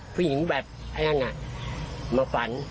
ผู้หญิงแบบไอ้นั่นมาฝัน